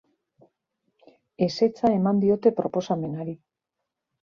Ezetza eman diote proposamenari.